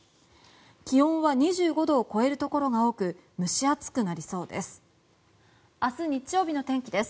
気温は２５度を超えるところが多く蒸し暑くなりそうです。